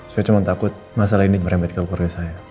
saya cuma takut masalah ini merembet keluarga saya